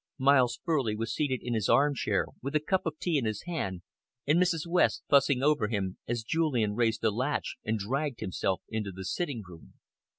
Miles Furley was seated in his armchair, with a cup of tea in his hand and Mrs. West fussing over him, as Julian raised the latch and dragged himself into the sitting room.